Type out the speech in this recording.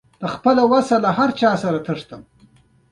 خو غزنویان حکومت د سبکتګین په واسطه رامنځته شو.